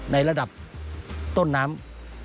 ในระดับต้นน้ำ